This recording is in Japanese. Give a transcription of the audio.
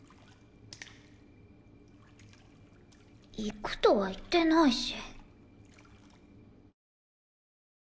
行くとは言ってないし。